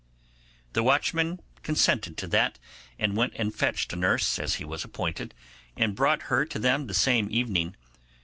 The watchman consented to that, and went and fetched a nurse, as he was appointed, and brought her to them the same evening.